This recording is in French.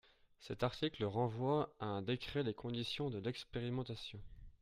Cet article renvoie à un décret les conditions de l’expérimentation.